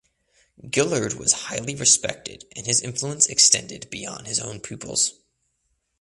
Gillard was highly respected and his influence extended beyond his own pupils.